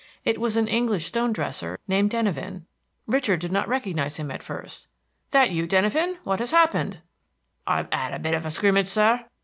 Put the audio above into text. It was an English stone dresser named Denyven. Richard did not recognize him at first. "That you, Denyven!... what has happened!" "I've 'ad a bit of a scrimmage, sir."